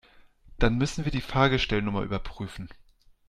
Dann müssen wir die Fahrgestellnummer überprüfen.